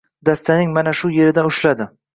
Dastaning mana bu yeridan ushlaydi.